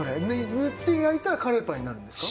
ぬって焼いたらカレーパンになるんですか？